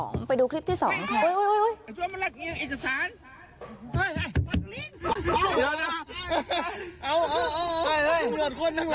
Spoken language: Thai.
มันสวยเฮ้ยขนมขนมมันสวยขนมมันสวยขนมมันสวย